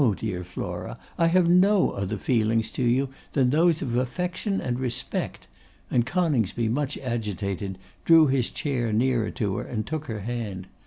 dear Flora; I have no other feelings to you than those of affection and respect,' and Coningsby, much agitated, drew his chair nearer to her, and took her hand.